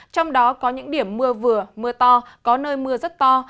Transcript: trong đó có những điểm mưa vừa mưa to có nơi mưa rất to